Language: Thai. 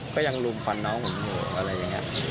ก็ยังรูมฟันน้องผมหนูอะไรอย่างเงี้ย